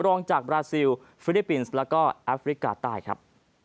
รองจากบราซิลฟิลิปปินส์แล้วก็แอฟริกาใต้ครับ